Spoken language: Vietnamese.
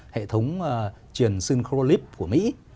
hệ thống truyền synchrolip của mỹ